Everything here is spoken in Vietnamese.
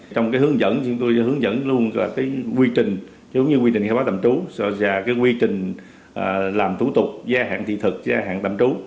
trong hướng dẫn tôi hướng dẫn luôn quy trình khai báo tạm trú quy trình làm thủ tục gia hạn thị thực gia hạn tạm trú